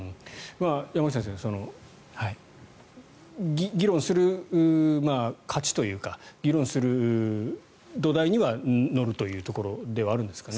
山口先生議論する価値というか議論する土台には乗るというところではあるんですかね。